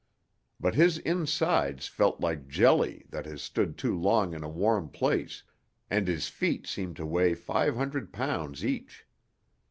But his insides felt like jelly that has stood too long in a warm place and his feet seemed to weigh five hundred pounds each.